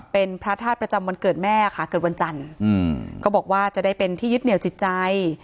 เป็นพระธาตุประจำวันเกิดแม่ค่ะเกิดวันจันทร์ก็บอกว่าจะได้เป็นที่ยึดเหนียวจิตใจ